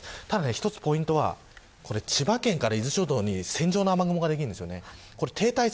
一つポイントは千葉県から伊豆諸島に線状の雨雲ができるんです。